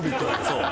そう。